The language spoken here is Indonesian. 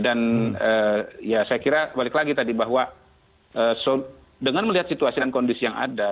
dan ya saya kira balik lagi tadi bahwa dengan melihat situasi dan kondisi yang ada